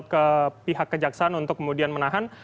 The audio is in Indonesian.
ke pihak kejaksaan untuk kemudian menahan